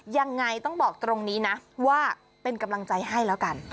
ยังไงต้องบอกตรงนี้นะว่าเป็นกำลังใจให้แล้วกัน